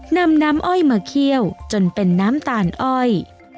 นำน้ำอ้อยมาเคี่ยวจนเป็นน้ำตาลอ้อย